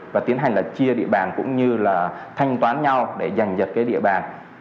và tiến hành là chia địa bàn cũng như là thanh toán nhau để giành giật cái địa bàn